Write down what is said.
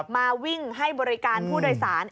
มาวิ่งให้บริการผู้โดยสาร